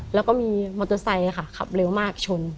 แล้วก็มีมอเตอร์ไซค์ค่ะขับเร็วมากชน